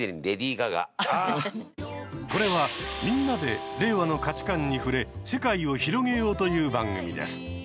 これは、みんなで令和の価値観に触れ世界を広げようという番組です。